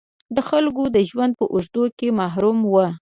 دا خلک د ژوند په اوږدو کې محروم وو.